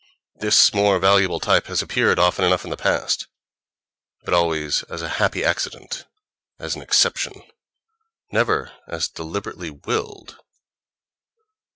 This more valuable type has appeared often enough in the past: but always as a happy accident, as an exception, never as deliberately willed.